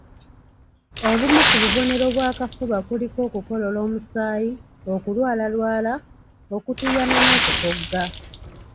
Obumu ku bubonero bw'akafuba kuliko okukolola omusaayi, okulwalalwala, okutuuyana n'okukogga